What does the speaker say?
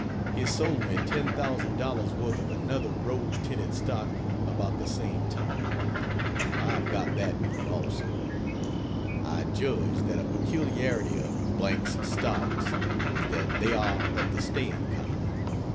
He sold me $10,000 worth of another rose tinted stock about the same time. I have got that yet, also. I judge that a peculiarity of B 's stocks is that they are of the staying kind.